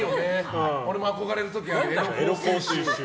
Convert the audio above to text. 俺も憧れる時あるわ。